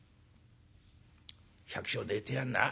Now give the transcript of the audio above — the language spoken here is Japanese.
「百姓寝てやんな。